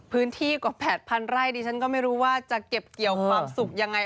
พื้นที่กว่า๘๐๐ไร่ดิฉันก็ไม่รู้ว่าจะเก็บเกี่ยวความสุขยังไง